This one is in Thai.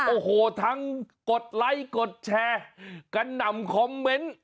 โอ้โหทั้งกดไลค์กดแชร์กระหน่ำคอมเมนต์